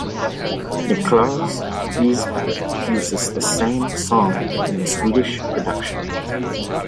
Niklas Riesbeck uses the same song in the Swedish production.